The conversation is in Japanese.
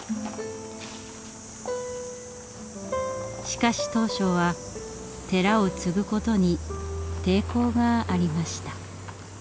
しかし当初は寺を継ぐことに抵抗がありました。